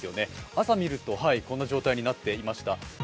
朝見ると、こんな状態になっていました。